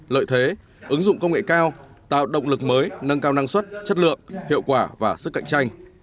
lợi thế ứng dụng công nghệ cao tạo động lực mới nâng cao năng suất chất lượng hiệu quả và sức cạnh tranh